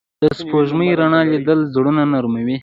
د سپوږمۍ رڼا لیدل زړونه نرموي